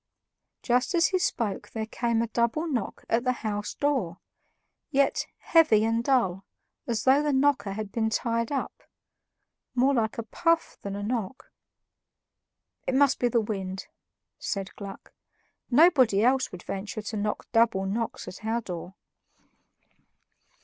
Just as he spoke there came a double knock at the house door, yet heavy and dull, as though the knocker had been tied up more like a puff than a knock. "It must be the wind," said Gluck; "nobody else would venture to knock double knocks at our door."